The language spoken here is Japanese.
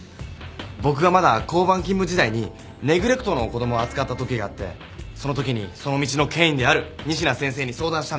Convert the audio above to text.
僕がまだ交番勤務時代にネグレクトの子供を扱ったときがあってそのときにその道の権威である西名先生に相談したんです。